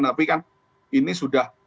tapi kan ini sudah